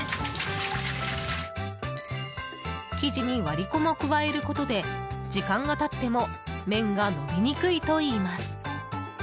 生地に割り粉も加えることで時間が経っても麺が伸びにくいといいます。